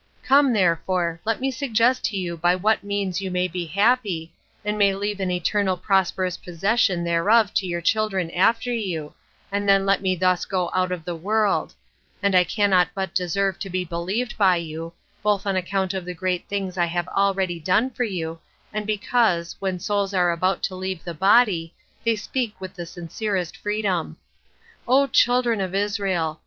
Come, therefore, let me suggest to you by what means you may be happy, and may leave an eternal prosperous possession thereof to your children after you, and then let me thus go out of the world; and I cannot but deserve to be believed by you, both on account of the great things I have already done for you, and because, when souls are about to leave the body, they speak with the sincerest freedom. O children of Israel!